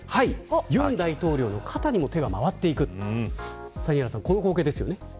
尹大統領の肩にも手が回っていく谷原さん、この光景ですよね。